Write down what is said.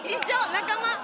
仲間！